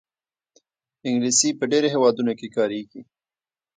انګلیسي په ډېرو هېوادونو کې کارېږي